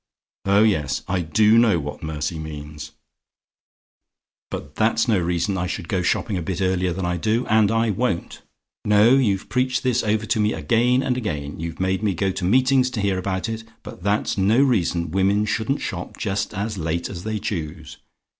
Oh yes, I DO know what mercy means; but that's no reason I should go shopping a bit earlier than I do and I won't. No; you've preached this over to me again and again; you've made me go to meetings to hear about it: but that's no reason women shouldn't shop just as late as they choose.